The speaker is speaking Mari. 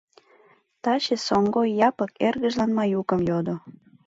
Таче Соҥгой Япык эргыжлан Маюкым йодо...